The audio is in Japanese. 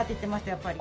やっぱり。